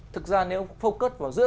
thực ra nếu focus vào giữa